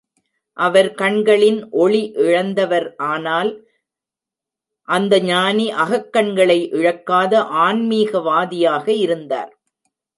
அவர் கண்களின் ஒளி இழந்தவர் ஆனால், அந்த ஞானி அகக்கண்களை இழக்காத ஆன்மிகவாதியாக இருந்தார்.